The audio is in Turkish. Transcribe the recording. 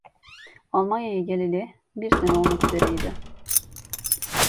Almanya'ya geleli bir sene olmak üzereydi.